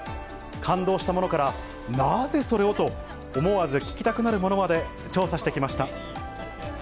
感動したものから、なぜそれを？と、思わず聞きたくなるものまで調査してきました。